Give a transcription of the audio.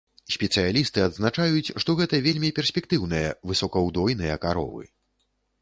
Спецыялісты адзначаюць, што гэта вельмі перспектыўныя высокаўдойныя каровы.